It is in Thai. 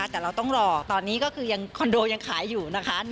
แต่เราต้องรอตอนนี้คอนโดยังขายอยู่นะคะ